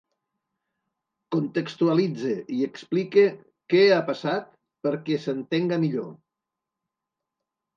Contextualitze i explique què ha passat perquè s’entenga millor.